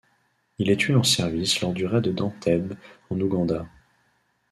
Il est tué en service lors du raid d'Entebbe en Ouganda.